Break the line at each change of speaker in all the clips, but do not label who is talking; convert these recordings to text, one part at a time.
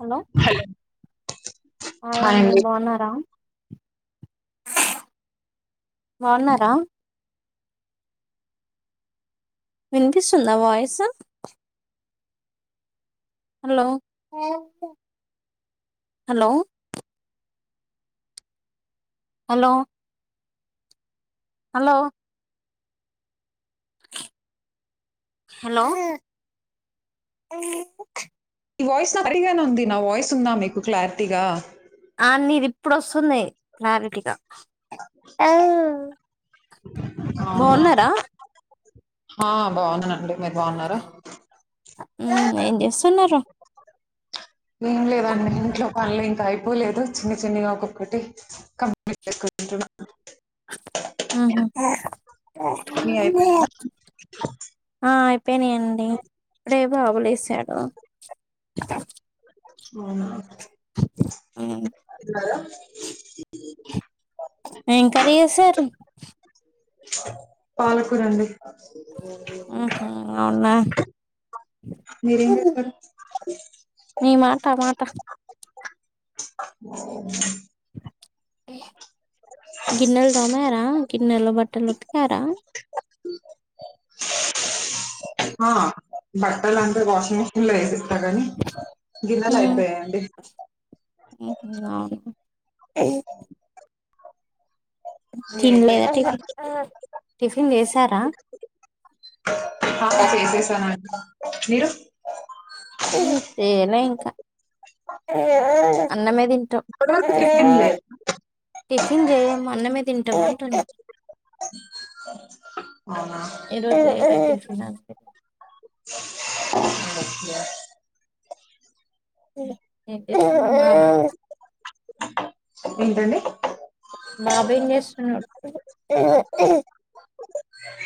Hello hi అండి బాగున్నారా బాన్నారా వినిపిస్తుందా voice hello hello hello hello hello
ఈ వాయిస్ నా పడిగానే ఉంది నా వాయిస్ ఉందా మీకు క్లారిటీగా
అ నీది ఇప్పుడు వస్తుంది క్లారిటీగా ఆ
అవునా
బాన్నారా
ఆ బాగున్నానండి మీరు బాగున్నారా
ఊ ఏం చేస్తున్నారు
ఏం లేదండి ఇంట్లో పనులు ఇంకా అయిపోలేదు చిన్న చిన్నగా ఒక్కొక్కటి కంప్లీట్ ఎక్కుంటున్నా
ఉహు
మీ అయిపోయిందా
ఆ అయిపోనాయండి ఇప్పుడే బాబులేశాడు
అవునా హలో
ఎమ్ కర్రీ చేసారు
పాలకూర అండి
ఉహు అవునా
మీరే చేసారు
మేమా టమాట గిన్నెలు తోమారా గిన్నెలు బట్టలు ఉతికరా
ఆ బట్టలు అంటే వాషింగ్ మెషిన్ లో వేసేసా అలాగాని గిన్నెలు
ఉమ్
అయిపోయాయండి
ఉహు అవునా
మీ
తినలేదా
అయిపోయిందా
టిఫన్ టిఫిన్ చేసారా
అ చేసేసానండి మీరు
చేయలే ఇంకా అన్నం ఆ తిన
ఇప్పటివరకు టిఫిన్ లేదు
టిఫిన్ చేయం అన్నమే తింటాము
అవునా
ఏ రోజు [inaudible]
ఓకే
[inaudible]
ఏంటండి
బాబు ఏం చేస్తున్నాడు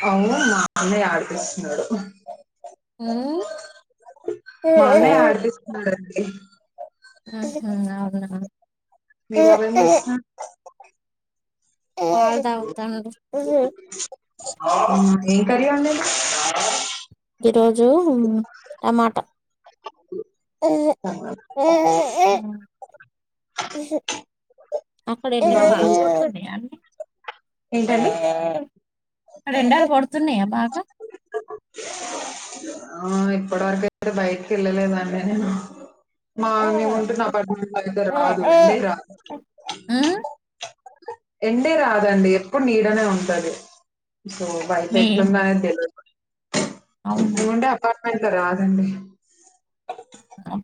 అవును మా అన్నయ ఆడిపిస్తున్నాడు
ఊ
మా అన్నయ్య ఆడిపిస్తున్నారండి
ఉహు అవునా
మీ బాబు ఏం తెస్తున్నా
పాలు తాగుతాడు
ఆ, ఏం కర్రీ అండి ఇది
ఈరోజు టమాటా చిన్నపిల్ల అక్కడ
మీ
ఏమన్న
బాబు ఏం చేస్తున్నాడు?
మాడిపోతున్నాయా అని
ఏంటండి
అక్కడ ఎండలు కొడుతున్నాయా బాగా
ఆ ఇప్పుడు వరక అయితే బయటకు వెళ్లలేదండి నేను మా మేము ఉంటున్న అపార్ట్మెంట్ లో అయితే రాదు ఎండే
ఆ?
రాదు ఎండే రాదండి ఎప్పుడు నీడనే ఉంటది సో బయట
మీ
ఉందనే తెలవద్ మాకి
అవునా
ఏమంటే అపార్ట్మెంట్ లో రాదండి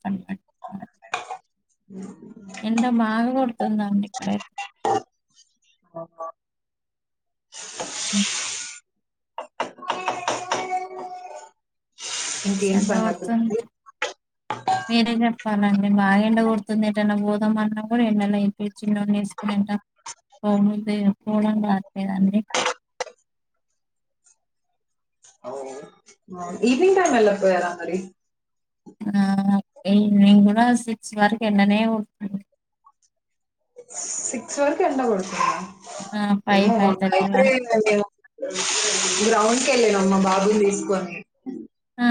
అంతే ఎండ బాగా కొడుతుందా అండి ఇక్కడయితే
ఆహ
ఉ
పిల్లల సౌండ్
సలపడుతుంది మీరే చెప్పాలండి బాగా ఎండ కొడుతుంది ఏటన్నా పోదామన్నా కూడా ఎండలో ఏంటో ఈ చిన్నోడిని వేసుకుని వెంట పోబుద్దీ పోవడానికి కాట్లేదు అండి
ఈవెనింగ్ టైమ్ వెళ్ళక పోయారా మరి
ఆ నేను కూడా సిక్స్ వరకు ఎండనే కొడుతుంది
సిక్స్ వరకు ఎండ కొడుతుందా
ఆ, ఫైవ్
ఏమో
ఫైవ్ థర్టీ
మాకయితే
వరకు
గ్రౌండ్ కి వెళ్ళినామ్ మా బాబుని తీసుకొని
ఆ,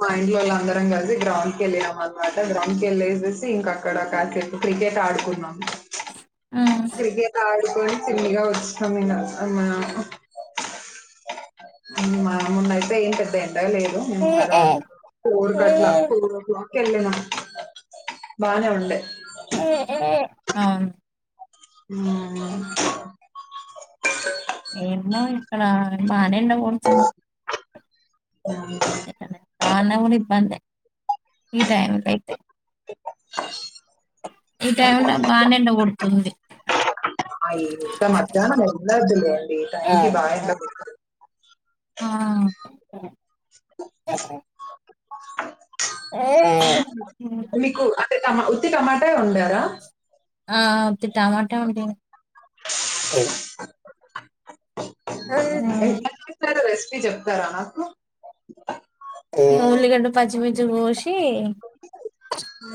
మా ఇంట్లో వాల్ల అందరం కలిసి గ్రౌండ్ కి వెళ్ళినామ్ అనమాట గ్రౌండ్ కి వెళ్ళేసి ఇంక అక్కడ క్రికెట్ ఆడుకున్నాం
ఆ.
క్రికెట్ ఆడుకొని తిన్నగా వచ్చినమ్మ నిన్న ఉ మొన్న అయితే ఏం పెద్ద ఎండగా లేదు అరౌండ్ ఫోర్ కట్లా కెళ్ళినా బానే ఉండే
అవును
ఉ ఉ
ఏమో ఇక్కడ బానే ఎండ కొడుతుంది రాకున్న కూడా ఇబ్బందే ఈ టైమ్ లో అయితే
బోల సౌండ్
ఈ టై లో బాగానే ఎండ కొడుతుంది
అయి మీట మధ్యాహ్నం ఎండ వద్దులేండి టైమ్ కి బాగా ఎండ కొడుతుంది
ఆ ఆ
మీకు అంటే ఉత్తి టమాటా వండారా
ఆ ఆ ఉత్తి టమాటా అండిన
ఎట్ల చేస్తారో రెసిపీ చెప్తారా నాకు
పచ్చి మిర్చి కోసి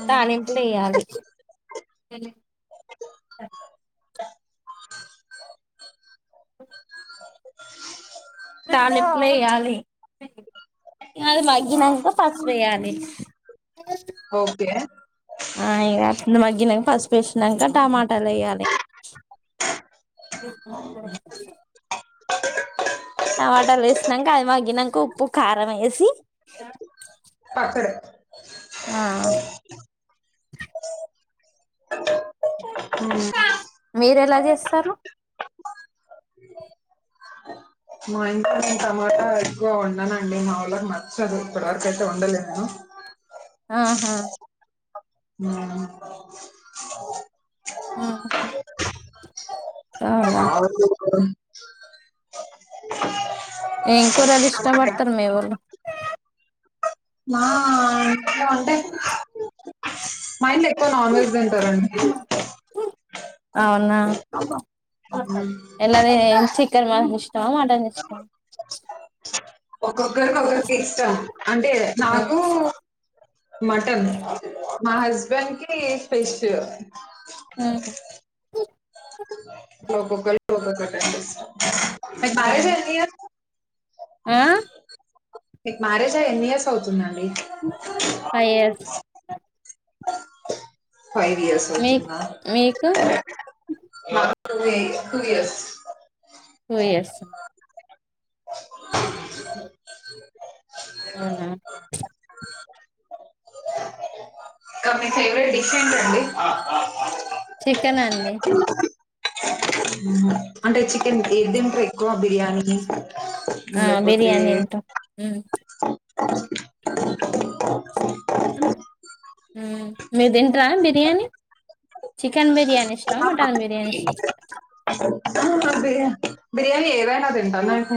తాళింపులు వెయ్యాలి అంతేలే తాలింపులు వెయ్యాలి ఇక అది మగ్గినంక పసుపు వెయ్యాలి
ఒకే
ఆ ఇక మగ్గినంక పసుపు వేసినాక టమటాలు వెయ్యాలి టమాటాలు వేసినాక అది మగ్గినంక ఉప్పు కారం వేసి
పచ్చడి.
ఆ
హ్మ్.
మీరు ఎలా చేస్తారు
మా ఇంట్లో నేను టమాటా ఎక్కువ వండనండి మా వాళ్ళకి నచ్చది ఇప్పటివరకు అయితే ఉండలేదును
ఆహా
హ్
ఆ
[unintelligible]
ఏం కూరలు ఇష్ట
టమాటా ఎక్కువ-
పడతారు మీవొళ్ళు
మా ఇట్ల ఉంటయి మా ఇంట్ల ఎక్కువ నాన్ వెజ్ తింటారండి.
అవునా
హ్మ్.
ఎల్లది చీకెన్ మాటన్ ఇష్ కెనా మాటన్ ఇష్టమా
ఒక్కొక్కరికి ఒక్కోక్కటి ఇష్టం. అంటే నాకు మటన్ మా హస్బెండ్ కి ఫిష్
హ్
అబ్బో ఒక్కొక్కలికి ఒక్కొక్కటి ఆంటే ఇష్టం.
ఆ
మీకు మ్యారేజ్ అయి ఎన్ని ఇయర్స్ అవుతుంది. అం
ఫైవ్ ఇయర్స్
ఫైవ్ ఇయర్స్
మీ
అవుతుందా
మీకు
[unintelligible] ఏజ్ టు ఇయర్స్
టు ఇయర్సా అ
స
ఏమన్న
[unintelligible] మీ ఫేవరెట్ డిష్ ఏంటండి
చికెన్ అండి
హ్ అంటే చికెన్ ఏది తింటారు. ఎక్కువ బిర్యానీ
ఆ
లేకపోతే
బిర్యానీ తింటాం హ్ మీరూ తింటరా బిర్యానీ చికెన్ బిర్యానీ ఇష్టమా మటన్ బిర్యానీ ఇష్టమా
హా బిర్యానీ బిర్యానీ ఏదైనా తింటా
ఇష్టమా
నాకు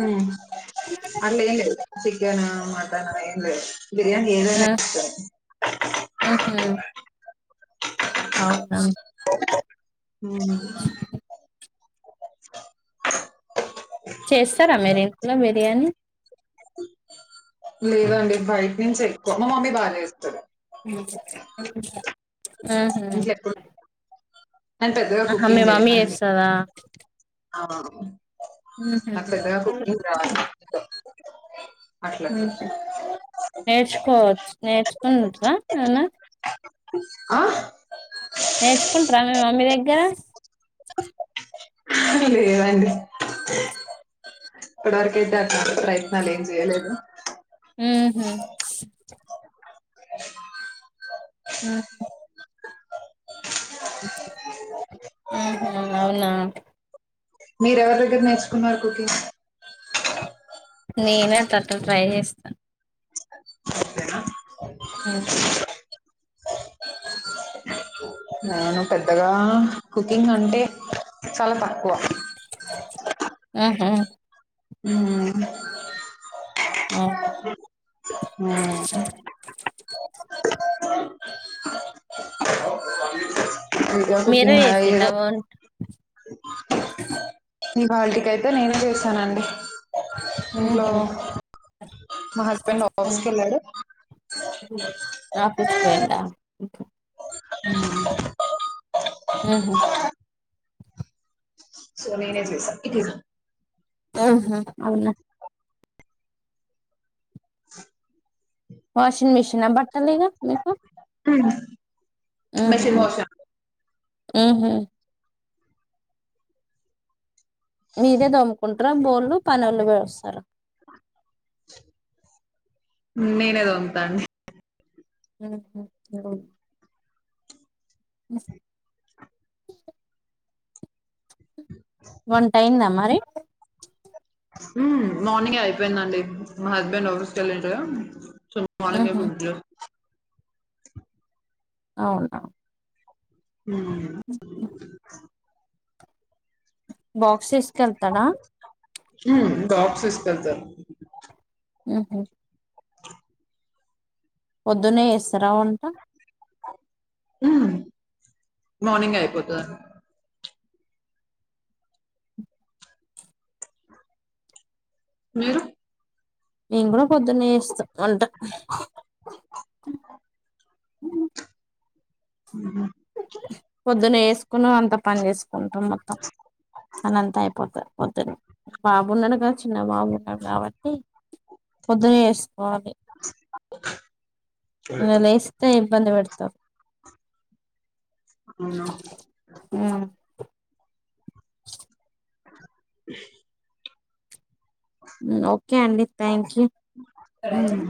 అట్లే ఏం లేదు. చికెన్ మటన్ ఎం లేదు బిర్యాని ఏదైన తింట
ఉహ్ అవునా
హ్
చేస్తారా మీరు ఇంట్లో బిర్యానీ
లేదండి. బయట నుంచి ఎక్కువ మా మమ్మీ బాగా చేస్తది.
ఆహా
ఇంట్లో ఎప్పుడు నేను పెద్దగా
ఆహా మీ
కుకింగ్
మమ్మీ
చెయనండి.
చేస్తదా
ఆ నాకు పెద్దగా
ఉహు
కుకింగ్ రాదు. అండి
ఉహ్ నేర్చుకోవచ్చు నేర్చుకుంట్రా ఏమన్న
ఆ
నేర్చుకుంటార మీ మమ్మీ దగ్గర
హా లేదండి ఇప్పటి వరకయితే అ ప్రయత్నాలు ఏం చేయలేదు.
ఉహు ఉహ్ అవునా
మీరు ఎవరి దగ్గర నేర్చుకున్నారు. కుకింగ్
నేనే అట్లట్ల ట్రై చేస్తాన్
అంతేనా
హ
నేను పెద్దగా కుకింగ్ అంటే చాలా తక్కువ
ఆా
[unintelligible]
అవును
[inaudible] [inaudible] ఇకా
మీరే
కుకింగ్ మ
చేసిల్లా వంట
ఈవాల్టికితే అయితే నేనే చేశానండి ఇంట్లో
ఉహు
మా హస్బెండ్ ఆఫీస్కి వెళ్ళాడు
ఆఫీస్ పోయిందా
[inaudible]
ఆహా
సో నేనే చేసా ఇట్ా
ఆ అవున్న
[inaudible]
వాషింగ్ మిషిన్ బట్టలేగా మీకు
మషన్ మసం
ఆహ మీరే దమ్ముకుంటారా బోర్ళలు పని వాళ్ళు వేస్తారుా
నేనేదో ఉంతా అండి
[inaudible] బస్ వంట అయిందా మరి
మార్నింగ్ అయిపోయిందండి మా హస్బెండ్ ఆఫీస్క వెళ్ళట్ చ మనంగ
ఉహు
బల
అవునా
అ
బాక్స్ వేసుక వెళ్తాడా
బాక్స్ తీసుకెళ్తాడు
ఉహ
[inaudible]
పొద్దునే ఎసరావుంట
మార్నింగ్ అయిపోతుందిా మీరు
నేను కూడా పొద్దున్న ఇస్తాం అంటా అ పొద్దున్న వేసుకుని అంత పని చేసుకు కుంటాం మొత్తం అనంత అయిపోత పద్ బాబున్నాడు కద చి బాబూగా కాబట్టి పొద్దున చేస్త లేస్తే ఇబ్బంది పెడతారు
అవునా
ఉమ్. [inaudible]
[inaudible]
ఓకే అండి థ్యాంక్ యూ
హ్మ్.